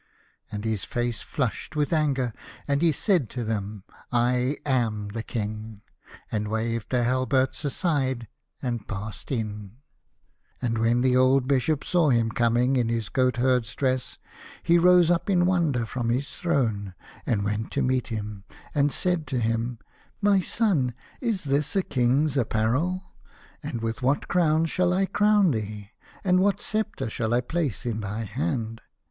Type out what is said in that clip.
And his face flushed with anger, and he said to them, " I am the King," and waved their halberts aside and passed in. 22 The Young King. And when the old Bishop saw him coming in his goatherd's dress, he rose up in wonder from his throne, and went to meet him, and said to him, " My son, is this a king's appa rel ? And with what crown shall I crown thee, and what sceptre shall I place in thy hand